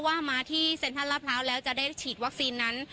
ว่ามาที่เซ็นทรัลลาพร้าวแล้วจะได้ฉีดวัคซีนนั้น